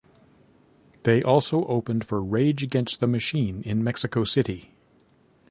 They also opened for Rage Against the Machine in Mexico City.